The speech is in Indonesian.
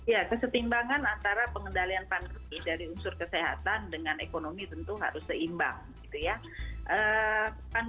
ya kesetimbangan antara pengendalian pandemi dari unsur kesehatan dengan ekonomi tentu harus seimbang gitu ya